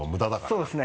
そうですね